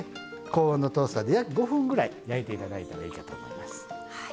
高温のトースターで約５分ぐらい焼いて頂いたらいいかと思います。